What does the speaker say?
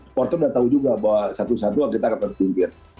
sporter udah tahu juga bahwa satu satu kita akan tersimpit